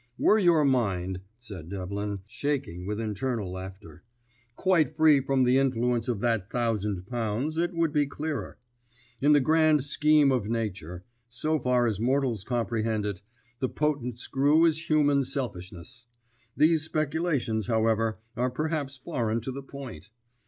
"Were your mind," said Devlin, shaking with internal laughter, "quite free from the influence of that thousand pounds, it would be clearer. In the grand Scheme of Nature, so far as mortals comprehend it, the potent screw is human selfishness. These speculations, however, are perhaps foreign to the point.